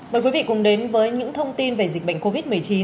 mời quý vị cùng đến với những thông tin về dịch bệnh covid một mươi chín